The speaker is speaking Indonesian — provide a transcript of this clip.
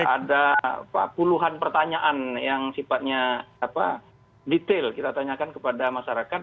ada puluhan pertanyaan yang sifatnya detail kita tanyakan kepada masyarakat